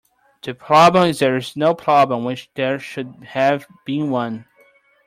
The problem is that there is no problem when there should have been one.